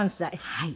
はい。